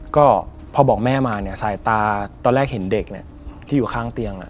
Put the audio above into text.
ก็พอบอกแม่มาใส่ตาตอนแรกเห็นเด็กที่อยู่ข้างเตียง